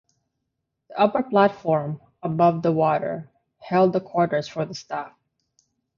The upper platform, above the water, held the quarters for the staff.